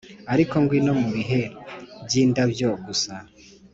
ariko ngwino mubihe byindabyo gusa,